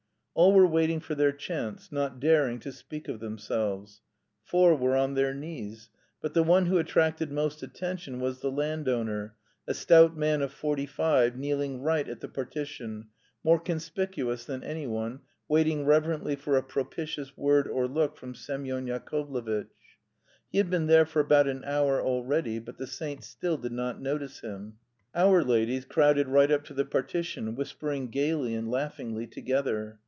All were waiting for their chance, not daring to speak of themselves. Four were on their knees, but the one who attracted most attention was the landowner, a stout man of forty five, kneeling right at the partition, more conspicuous than any one, waiting reverently for a propitious word or look from Semyon Yakovlevitch. He had been there for about an hour already, but the saint still did not notice him. Our ladies crowded right up to the partition, whispering gaily and laughingly together.